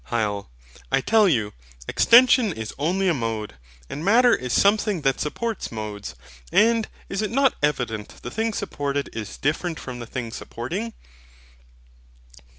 HYL. I tell you, extension is only a mode, and Matter is something that supports modes. And is it not evident the thing supported is different from the thing supporting?